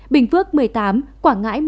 bình phước một mươi tám quảng ngãi một mươi bốn